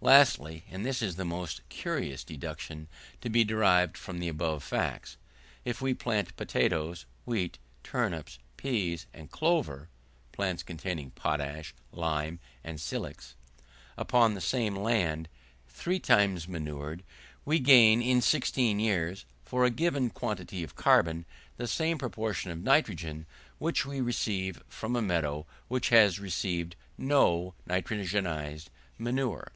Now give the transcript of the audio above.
Lastly. And this is the most curious deduction to be derived from the above facts, if we plant potatoes, wheat, turnips, peas, and clover, (plants containing potash, lime, and silex,) upon the same land, three times manured, we gain in 16 years, for a given quantity of carbon, the same proportion of nitrogen which we receive from a meadow which has received no nitrogenised manure.